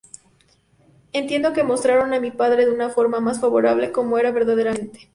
Entiendo que mostraron a mi padre de una forma más favorable, como era verdaderamente.